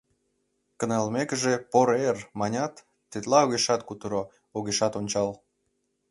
Кынелмекыже «поро эр!» манят, тетла огешат кутыро, огешат ончал.